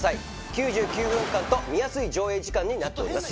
９９分間と見やすい上映時間になっております。